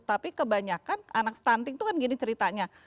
tapi kebanyakan anak stunting itu kan gini ceritanya